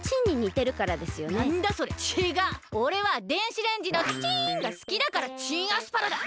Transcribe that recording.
おれは電子レンジの「チン！」がすきだからチンアスパラだ！